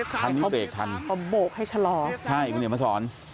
ทันเบรกทันเอาโบกให้ฉลอบใช่มาสอน